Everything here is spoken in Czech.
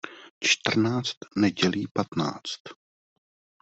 Čtrnáct nedělí patnáct.